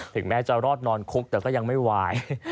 ถึงแม้จะรอดนอนคุกแต่ก็ยังไม่ไหว